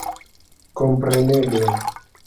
komprenebla